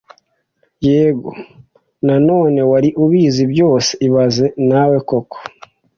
Yego, none wari ubizi byose ibaze nawe koko